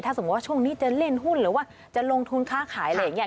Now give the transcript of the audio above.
สมมุติว่าช่วงนี้จะเล่นหุ้นหรือว่าจะลงทุนค้าขายอะไรอย่างนี้